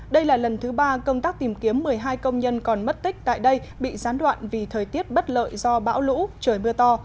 đây là lần thứ ba công tác tìm kiếm một mươi hai công nhân còn mất tích tại đây bị gián đoạn vì thời tiết bất lợi do bão lũ trời mưa to